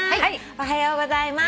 「おはようございます」